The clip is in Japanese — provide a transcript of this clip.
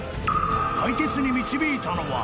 解決に導いたのは。